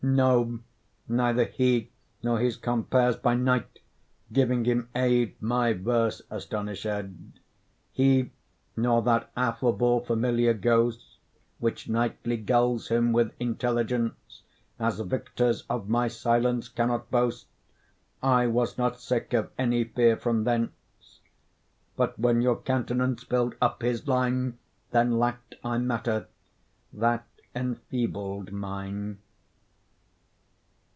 No, neither he, nor his compeers by night Giving him aid, my verse astonished. He, nor that affable familiar ghost Which nightly gulls him with intelligence, As victors of my silence cannot boast; I was not sick of any fear from thence: But when your countenance fill'd up his line, Then lacked I matter; that enfeebled mine.